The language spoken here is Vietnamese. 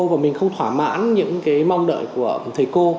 và mình không thỏa mãn những cái mong đợi của thầy cô